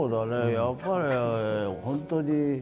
やっぱり本当に。